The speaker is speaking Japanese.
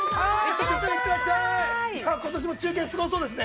今年も中継すごそうですね。